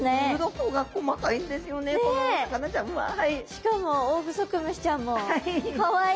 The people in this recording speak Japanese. しかもオオグソクムシちゃんもかわいい。